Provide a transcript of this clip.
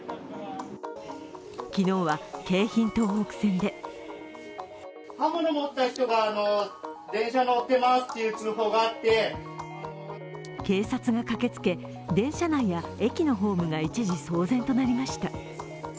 昨日は京浜東北線で警察が駆けつけ、電車内や駅のホームが一時、騒然となりました。